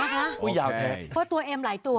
เพราะตัวเอ็มหลายตัว